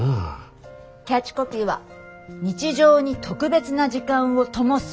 キャッチコピーは「日常に特別な時間を灯す」